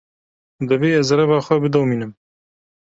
Divê ez reva xwe bidomînim.